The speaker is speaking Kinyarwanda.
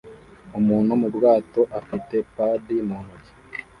umuntu mu bwato afite padi mu ntoki